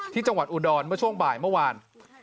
จังหวัดอุดรเมื่อช่วงบ่ายเมื่อวาน